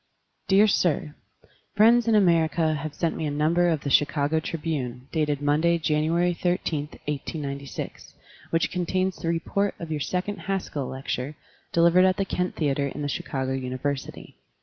Dear Sir: Friends in America have sent me a number of the Chicago Tribune, dated Monday, January 13, 1896, which contains the report of your second Haskell lecture, delivered at the Kent Theater in the Chicago University.